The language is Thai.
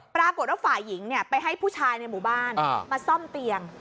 ปรากฏว่าฝ่ายหญิงไปให้ผู้ชายในหมู่บ้านมาซ่อมเตียง